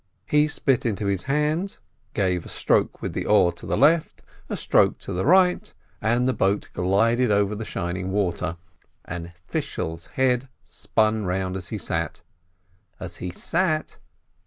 He spit into his hands, gave a stroke with the oar to the left, a stroke to the right, and the boat glided over the shining water, and Fishel's head spun round as he sat. As he sat?